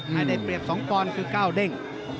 ให้ได้เปรียบ๒ปอนด์คือก้าวเด้ง